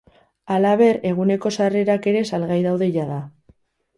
Halaber, eguneko sarrerak ere salgai daude jada.